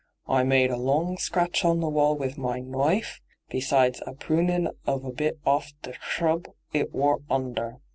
Oi made a long scratch on the wall with my knoife, besides a prunin' of a bit off the s'rub it wor under.